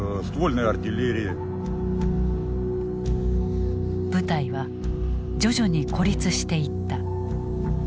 部隊は徐々に孤立していった。